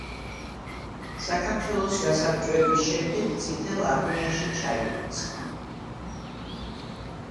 საქართველოს გასაბჭოების შემდეგ წითელ არმიაში ჩაირიცხა.